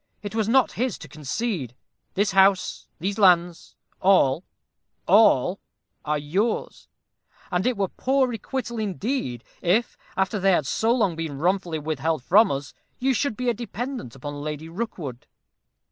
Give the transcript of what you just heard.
It was not his to concede. This house these lands all all are yours; and it were poor requital, indeed, if, after they have so long been wrongfully withheld from us, you should be a dependant on Lady Rookwood."